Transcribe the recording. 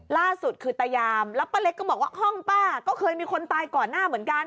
ล่าสุดคือตายามแล้วป้าเล็กก็บอกว่าห้องป้าก็เคยมีคนตายก่อนหน้าเหมือนกัน